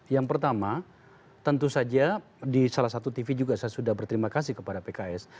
yang pertama tentu saja di salah satu tv juga saya sudah berterima kasih kepada pks